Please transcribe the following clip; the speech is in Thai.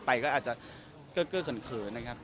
ไปก็อาจจะเกื้อกเกื้อสนเคยนะครับ